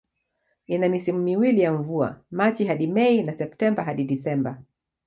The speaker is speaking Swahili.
Ina misimu miwili ya mvua, Machi hadi Mei na Septemba hadi Disemba.